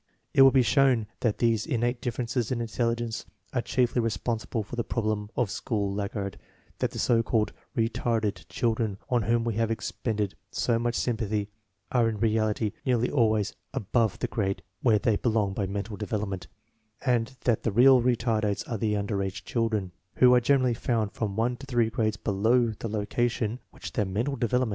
It will be shown that these in nate differences in intelligence are chiefly responsible for the problem of the school laggard; that the so called "retarded" children on whom we have expended so much sympathy are in reality nearly always above the grade where they belong by mental development; and that the real retardates are the under age children, who are generally found from' one to three grades below the location which their mental development would warrant.